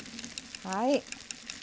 はい。